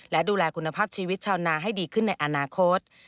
และดูแลคุณภาพชีวิตชาวนาให้ดีขึ้นในอนาคต